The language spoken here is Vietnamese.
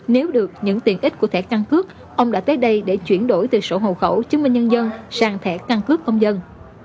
nếu được những tiền ích của thẻ căn cước ông đã tới đây để chuyển đổi từ sổ hồ khẩu chứng minh nhân dân sang thẻ căn cước công dân